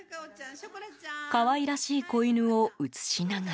可愛らしい子犬を映しながら。